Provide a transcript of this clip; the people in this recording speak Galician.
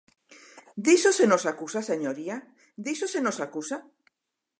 ¿Diso se nos acusa, señoría?, ¿diso se nos acusa?